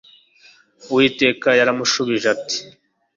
Uwiteka yaramushubijati